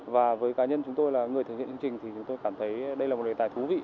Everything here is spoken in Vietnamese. và với cá nhân chúng tôi là người thực hiện chương trình thì chúng tôi cảm thấy đây là một đề tài thú vị